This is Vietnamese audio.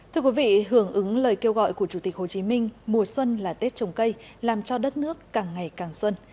thưa quý vị hưởng ứng lời kêu gọi của chủ tịch hồ chí minh mùa xuân là tết trồng cây làm cho đất nước càng ngày càng xuân